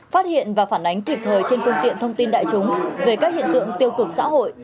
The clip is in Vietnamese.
phát hiện và phản ánh kịp thời trên phương tiện thông tin đại chúng về các hiện tượng tiêu cực xã hội